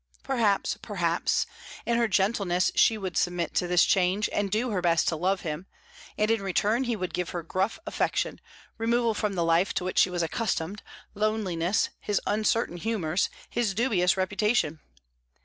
Perhaps, perhaps; in her gentleness she would submit to this change, and do her best to love him. And in return he would give her gruff affection, removal from the life to which she was accustomed, loneliness, his uncertain humours, his dubious reputation.